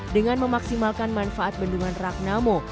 dengan memaksimalkan manfaat bendungan ragnamo